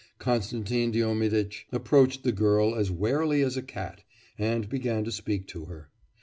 Konstantin Diomiditch approached the girl as warily as a cat, and began to speak to her.